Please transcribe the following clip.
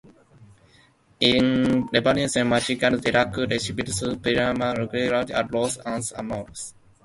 En Riverview, Michigan, Derek recibió su primer guitarra a los once años.